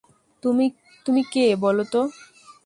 তুমি কে বলো তো?